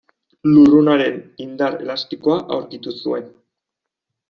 Lurrunaren indar elastikoa aurkitu zuen.